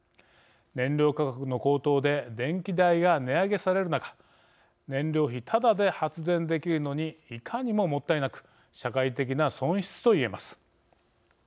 燃料価格の高騰で電気代が値上げされる中燃料費ただで発電できるのにいかにももったいなく社会的な損失と言えます。